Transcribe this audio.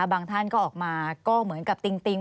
บางท่านก็ออกมาก็เหมือนกับติ๊ง